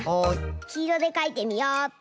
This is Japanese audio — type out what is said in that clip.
きいろでかいてみよっと。